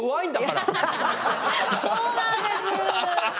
そうなんです。